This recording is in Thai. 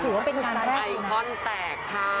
ถือว่าเป็นการไอคอนแตกค่ะ